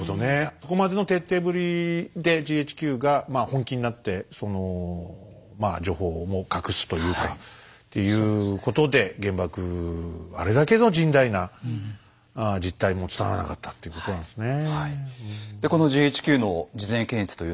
ここまでの徹底ぶりでＧＨＱが本気になってその情報を隠すというかということで原爆あれだけの甚大な実態も伝わらなかったっていうことなんですね。